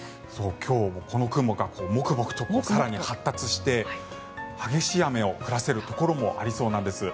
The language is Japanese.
今日もこの雲がモクモクと更に発達して激しい雨を降らせるところもありそうなんです。